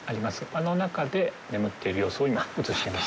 あの中で眠っている様子を今、映しています。